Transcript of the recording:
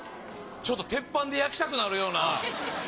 ちょっと鉄板で焼きたくなるような。